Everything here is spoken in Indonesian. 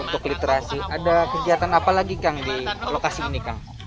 untuk literasi ada kegiatan apa lagi kang di lokasi ini kang